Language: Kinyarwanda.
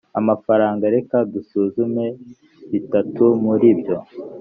amafaranga reka dusuzume bitatu muri byo